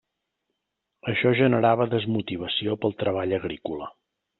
Això generava desmotivació pel treball agrícola.